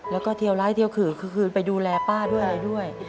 แล้วก็เที่ยวร้านที่เที่ยวขึ้นคือไปดูแลป้าด้วยอะไรด้วย